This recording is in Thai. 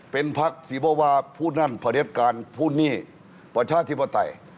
เป็นภักดิ์ที่บอกว่าผู้นั้นผลิตการผู้หนี้ประชาธิปไตย